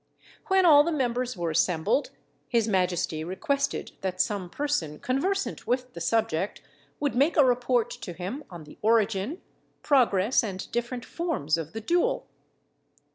When all the members were assembled, his majesty requested that some person conversant with the subject would make a report to him on the origin, progress, and different forms of the duel.